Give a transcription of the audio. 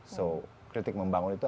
so kritik membangun itu